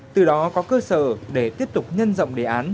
từ đó có cơ sở để tiếp tục nhân rộng đề án